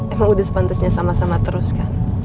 emang udah sepantasnya sama sama terus kan